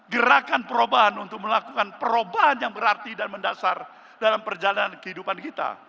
gerakan perubahan untuk melakukan perubahan yang berarti dan mendasar dalam perjalanan kehidupan kita